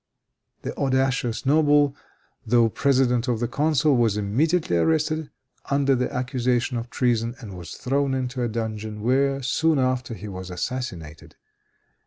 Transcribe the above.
The audacious noble, though president of the council, was immediately arrested under an accusation of treason, and was thrown into a dungeon, where, soon after, he was assassinated.